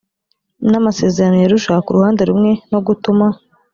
n amasezerano y arusha ku ruhande rumwe no gutuma